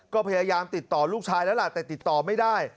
ก็พยายามติดต่อลูกชายแล้วล่ะแต่ติดต่อไม่ได้